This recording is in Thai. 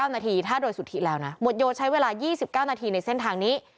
๙นาทีถ้าโดยสุธิแล้วนะหมวดโยใช้เวลา๒๙นาทีในเส้นทางนี้